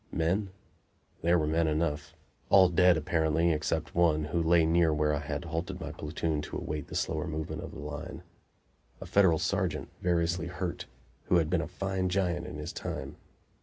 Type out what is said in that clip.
Men? There were men enough; all dead, apparently, except one, who lay near where I had halted my platoon to await the slower movement of the line a Federal sergeant, variously hurt, who had been a fine giant in his time.